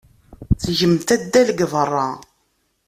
Ttgemt addal deg beṛṛa.